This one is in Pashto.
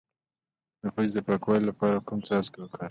د پوزې د پاکوالي لپاره کوم څاڅکي وکاروم؟